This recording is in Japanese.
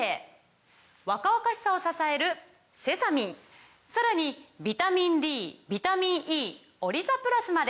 若々しさを支えるセサミンさらにビタミンＤビタミンＥオリザプラスまで！